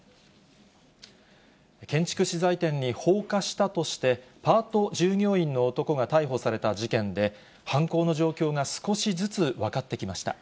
建築資材店に放火したとして、パート従業員の男が逮捕された事件で、犯行の状況が少しずつ分かってきました。